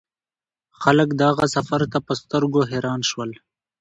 خلک د هغه سفر ته په سترګو حیران شول.